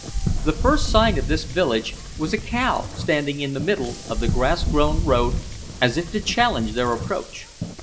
The first sign of this village was a cow standing in the middle of the grass grown road as if to challenge their approach.